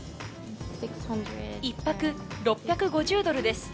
１泊６５０ドルです。